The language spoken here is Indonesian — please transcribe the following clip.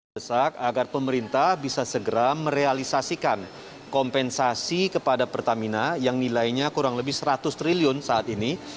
desak agar pemerintah bisa segera merealisasikan kompensasi kepada pertamina yang nilainya kurang lebih seratus triliun saat ini